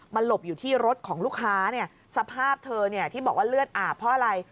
มันหลบอยู่ที่รถของลูกค้าสภาพเธอที่บอกว่าเลือดอาบเพราะอะไร